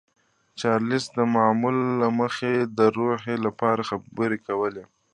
چارلیس د معمول له مخې د روحیې لپاره خبرې کولې